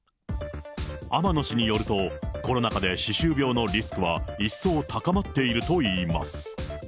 天野氏によると、コロナ禍で歯周病のリスクは一層高まっているといいます。